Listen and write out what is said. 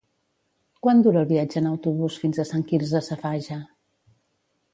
Quant dura el viatge en autobús fins a Sant Quirze Safaja?